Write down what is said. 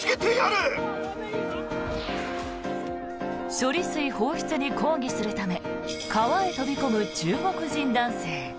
処理水放出に抗議するため川へ飛び込む中国人男性。